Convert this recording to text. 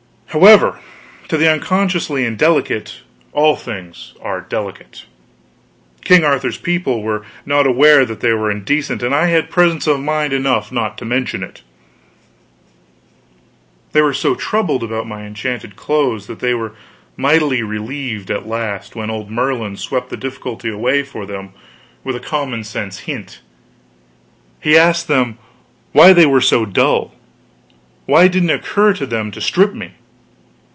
However, to the unconsciously indelicate all things are delicate. King Arthur's people were not aware that they were indecent and I had presence of mind enough not to mention it. They were so troubled about my enchanted clothes that they were mightily relieved, at last, when old Merlin swept the difficulty away for them with a common sense hint. He asked them why they were so dull why didn't it occur to them to strip me.